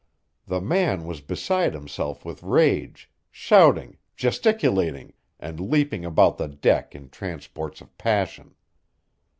The man was beside himself with rage, shouting, gesticulating and leaping about the deck in transports of passion.